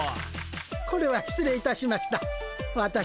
これは失礼いたしました。